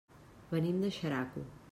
Venim de Xeraco.